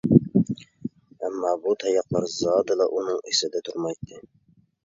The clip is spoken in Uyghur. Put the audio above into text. ئەمما، بۇ تاياقلار زادىلا ئۇنىڭ ئېسىدە تۇرمايتتى.